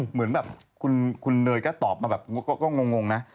เหมือนแบบคุณเนยก็ตอบมาแบบก็งงนะ